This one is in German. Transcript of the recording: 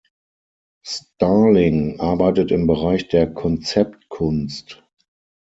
Starling arbeitet im Bereich der Konzeptkunst.